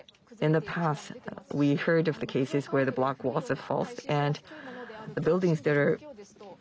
そうですね。